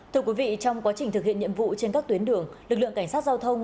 thưa quý vị trong quá trình thực hiện nhiệm vụ trên các tuyến đường lực lượng cảnh sát giao thông